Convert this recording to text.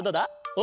お？